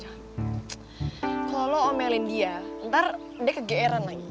kalau lo omelin dia ntar dia kegeeran lagi